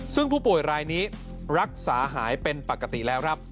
ซึ่งผู้ป่วยรายนี้รักษาหายเป็นปกติแล้วครับ